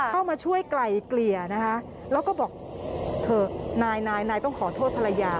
เข้ามาช่วยไกลเกลี่ยนะคะแล้วก็บอกเถอะนายนายต้องขอโทษภรรยา